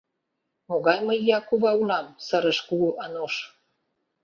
— Могай мый ия кува улам? — сырыш Кугу Ануш.